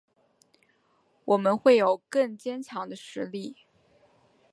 我们会有更坚强的实力